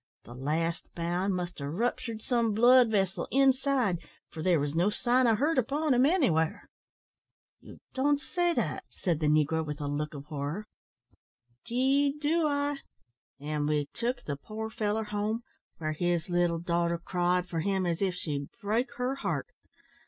The last bound must have ruptured some blood vessel inside, for there was no sign of hurt upon him anywhere." "You don' say dat?" said the negro, with a look of horror. "'Deed do I; an' we took the poor feller home, where his little daughter cried for him as if she'd break her heart.